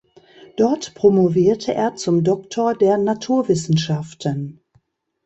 Dort promovierte er zum Doktor der Naturwissenschaften.